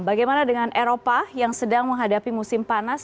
bagaimana dengan eropa yang sedang menghadapi musim panas